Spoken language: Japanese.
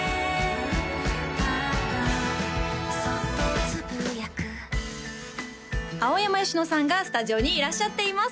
ただそっと呟く青山吉能さんがスタジオにいらっしゃっています